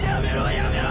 やめろ！